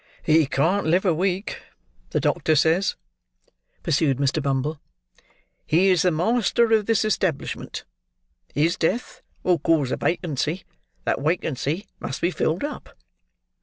"He can't live a week, the doctor says," pursued Mr. Bumble. "He is the master of this establishment; his death will cause a wacancy; that wacancy must be filled up.